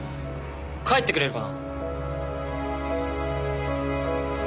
帰ってくれるかな。